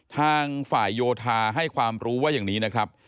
ทางฝ่ายโยธาให้ความรู้ว่าอย่างนี้นะครับ